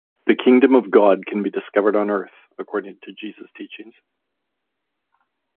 "The Kingdom of God" can be discovered on earth, according to Jesus' teachings.